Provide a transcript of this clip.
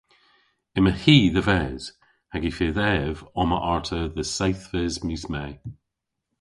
Yma hi dhe-ves hag y fydh ev omma arta dhe seythves mis Me.